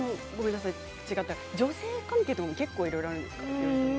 女性関係とかもいろいろあるんですか。